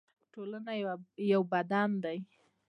ټولنه یو بدن دی